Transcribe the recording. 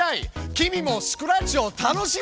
君もスクラッチを楽しもう！